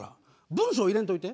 文章入れんといて。